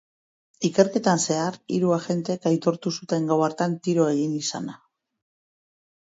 Ikerketan zehar, hiru agentek aitortu zuten gau hartan tiro egin izana.